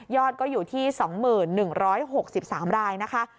อดก็อยู่ที่๒๑๖๓รายนะคะ